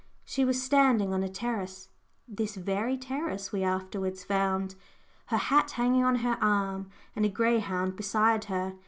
She was standing on a terrace this very terrace we afterwards found her hat hanging on her arm, and a greyhound beside her.